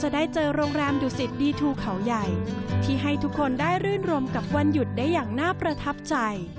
ดูได้อย่างน่าประทับใจ